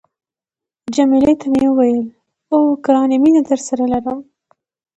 جميله ته مې وویل، اوه، ګرانې مینه درسره لرم.